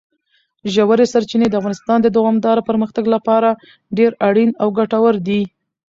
ژورې سرچینې د افغانستان د دوامداره پرمختګ لپاره ډېر اړین او ګټور دي.